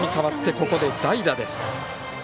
ここで代打です。